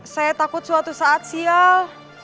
saya takut suatu saat sial